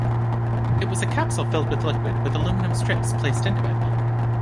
It was a capsule filled with liquid, with aluminium strips placed into it.